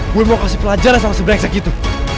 gue mau kasih pelajaran sama sebrengsek gitu